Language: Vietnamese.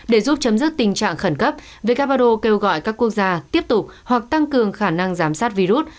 để giúp chấm dứt tình trạng khẩn cấp who kêu gọi các quốc gia tiếp tục hoặc tăng cường khả năng giám sát virus